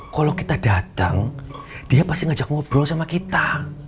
kalo kita dateng dia pasti ngajak ngobrol sama kita